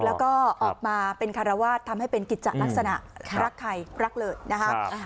แล้วก็ออกมาเป็นคารวาสทำให้เป็นกิจจะลักษณะรักใครรักเลยนะคะ